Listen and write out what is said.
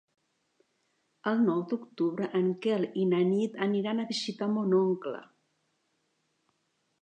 El nou d'octubre en Quel i na Nit aniran a visitar mon oncle.